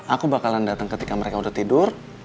aku bakalan datang ketika mereka udah tidur